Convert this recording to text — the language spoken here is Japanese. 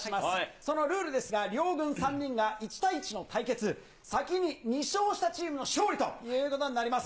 そのルールですが、両軍３人が１対１の対決、先に２勝したチームの勝利ということになります。